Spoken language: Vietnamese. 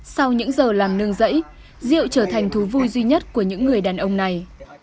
sau những giờ làm nương rẫy rượu trở thành thú vui duy nhất của những người đàn ông này